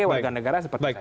warga negara seperti saya